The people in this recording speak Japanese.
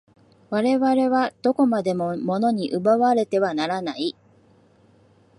我々はどこまでも物に奪われてはならない。